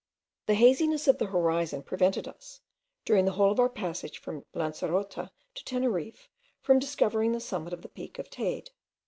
The haziness of the horizon prevented us, during the whole of our passage from Lancerota to Teneriffe, from discovering the summit of the peak of Teyde.